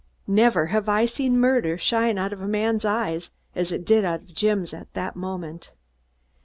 Never have I seen murder shine out of a man's eyes as it did out of Jim's at that moment.